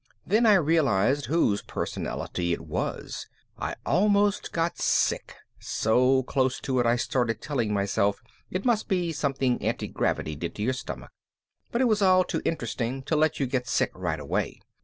Then I realized whose personality it was. I almost got sick so close to it I started telling myself it must be something antigravity did to your stomach. But it was all too interesting to let you get sick right away.